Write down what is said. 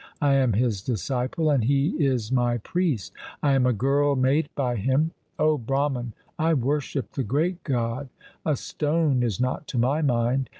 I am His disciple and He is my priest. I am a girl made by Him. O Brahman, I worship the great God. A stone is not to my mind.